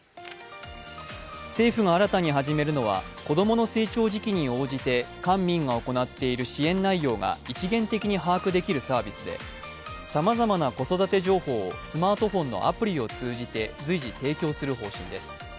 政府が新たに始めるのは子供の成長時期に応じて官民が行っている支援内容が一元的に把握できるサービスでさまざまな子育て情報をスマートフォンのアプリを通じて随時提供する方針です。